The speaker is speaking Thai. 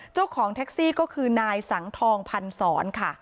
เจ้าของแท็กซี่ก็คือนายสังทองพันธ์ศรค่ะ